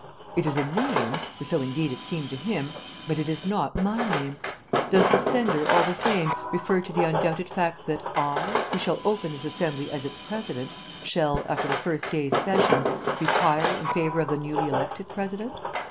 It is a name" (for so, indeed, it seemed to him), "but it is not my name. Does the sender, all the same, refer to the undoubted fact that I, who shall open this Assembly as its President, shall, after the first day's session, retire in favour of the newly elected President?